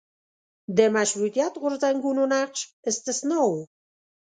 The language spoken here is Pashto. د مشروطیت غورځنګونو نقش استثنا و.